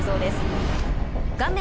画面